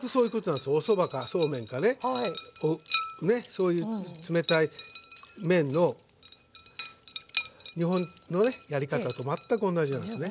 そういう冷たい麺の日本のねやり方と全く同じなんですね。